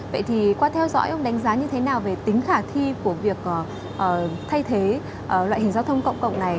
vậy thì qua theo dõi ông đánh giá như thế nào về tính khả thi của việc thay thế loại hình giao thông cộng cộng này